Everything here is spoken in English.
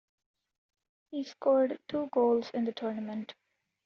He scored two goals in the tournament.